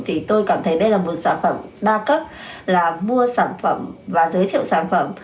thì tôi cảm thấy đây là một sản phẩm đa cấp là mua sản phẩm và giới thiệu sản phẩm